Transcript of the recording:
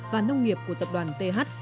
và nông nghiệp của tập đoàn th